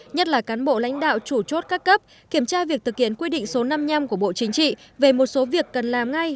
nhất là cán bộ lãnh đạo chủ chốt các cấp kiểm tra việc thực hiện quy định số năm mươi năm của bộ chính trị về một số việc cần làm ngay